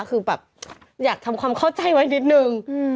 คือแบบอยากทำความเข้าใจไว้นิดนึง